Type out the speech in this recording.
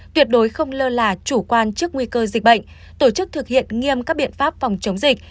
tuyệt đối không lơ là chủ quan trước nguy cơ dịch bệnh tổ chức thực hiện nghiêm các biện pháp phòng chống dịch